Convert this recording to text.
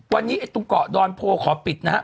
วันนี้ตรงเกาะดอนโพขอปิดนะฮะ